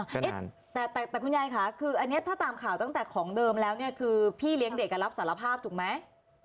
เอ๊ะแต่แต่คุณยายค่ะคืออันนี้ถ้าตามข่าวตั้งแต่ของเดิมแล้วเนี่ยคือพี่เลี้ยงเด็กรับสารภาพถูกไหม